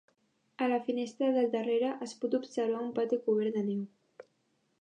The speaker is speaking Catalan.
A la finestra del darrere es pot observar un pati cobert de neu.